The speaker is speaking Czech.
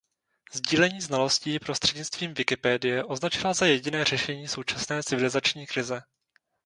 Sdílení znalostí prostřednictvím Wikipedie označila za jediné řešení současné civilizační krize.